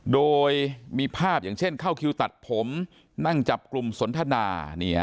โดยมีภาพอย่างเช่นเข้าคิวตัดผมนั่งจับกลุ่มสนทนา